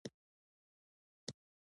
چې امرونه په مستقیم ډول اخلئ، امر دا دی.